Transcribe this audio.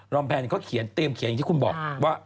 ลอยม์แพงเขาเตรียมเขียนอย่างที่คุณบอกว่า